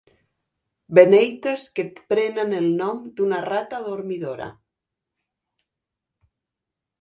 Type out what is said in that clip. Beneites que prenen el nom d'una rata dormidora.